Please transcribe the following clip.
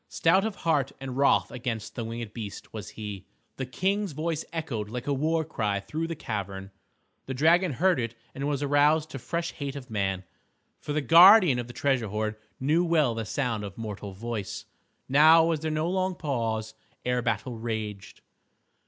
Stout of heart and wroth against the winged beast was he. The King's voice echoed like a war cry through the cavern. The dragon heard it and was aroused to fresh hate of man. For the guardian of the treasure hoard knew well the sound of mortal voice. Now was there no long pause ere battle raged.